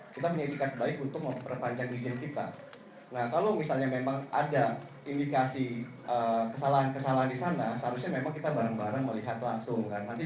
kami akan melakukan upaya upaya terlebih dahulu agar bisa lebih cepat